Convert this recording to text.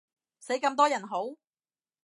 死咁多人好？